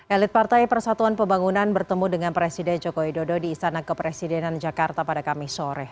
elit partai persatuan pembangunan bertemu dengan presiden joko widodo di istana kepresidenan jakarta pada kamis sore